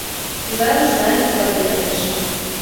Зараз з намі паабедаеш.